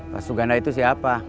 pak suganda itu siapa